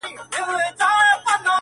زه د ساقي تر احترامه پوري پاته نه سوم,